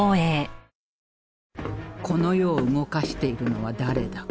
この世を動かしているのは誰だ？